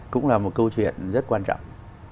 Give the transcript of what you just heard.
cũng là một câu chuyện rất quan trọng